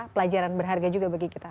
pelajaran berharga juga bagi kita